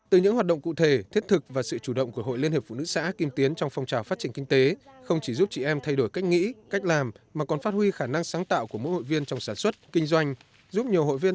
từ những hoạt động cụ thể thiết thực và sự chủ động của hội liên hiệp phụ nữ xã kim tiến